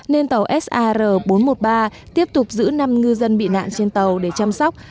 nên tàu sar bốn trăm một mươi ba tiếp tục giữ năm ngư dân bị nạn trên tàu để chăm sóc